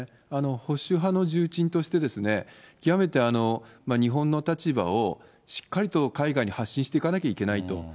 保守派の重鎮として、極めて、日本の立場をしっかりと海外に発信していかなきゃいけないと。